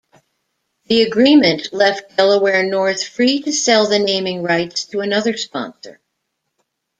The agreement left Delaware North free to sell the naming rights to another sponsor.